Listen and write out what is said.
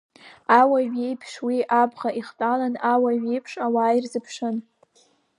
Ауаҩ иеиԥш уи абӷа ихтәалан, ауаҩ иеиԥш ауаа ирзыԥшуан.